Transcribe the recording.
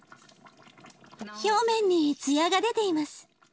表面に艶が出ています。